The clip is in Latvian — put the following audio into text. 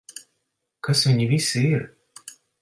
Kas viņi visi ir?